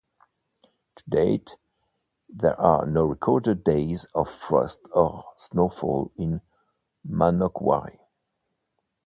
To date, there are no recorded days of frost or snowfall in Manokwari.